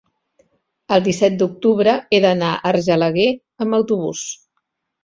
el disset d'octubre he d'anar a Argelaguer amb autobús.